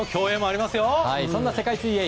そんな世界水泳